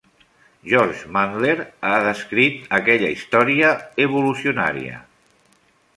George Mandler ha descrit aquella història evolucionaria.